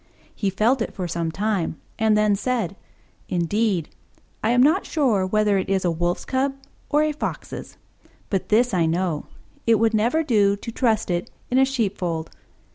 He felt it for some time, and then said, "Indeed, I am not sure whether it is a Wolf's Cub or a Fox's: but this I know it would never do to trust it in a sheepfold."